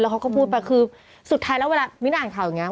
เขาก็พูดไปคือสุดท้ายแล้วเวลามิ้นอ่านข่าวอย่างนี้